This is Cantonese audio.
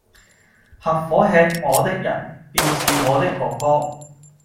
合夥喫我的人，便是我的哥哥！